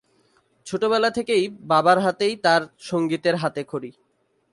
ছোটবেলা থেকেই বাবার হাতেই তার সংগীতের হাতেখড়ি।